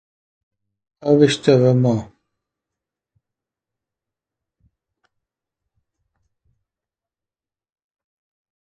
I wish there were more.